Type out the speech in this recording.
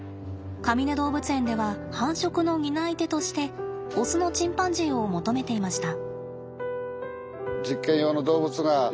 かみね動物園では繁殖の担い手としてオスのチンパンジーを求めていました。